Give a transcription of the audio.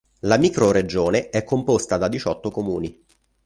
La microregione è composta da diciotto comuni.